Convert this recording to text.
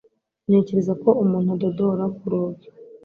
Ntekereza ko umuntu adodora ku rugi.